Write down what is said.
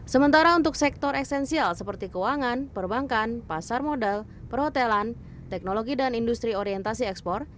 sementara untuk sektor esensial seperti keuangan perbankan pasar modal perhotelan teknologi dan industri orientasi ekspor